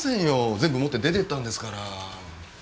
全部持って出てったんですから。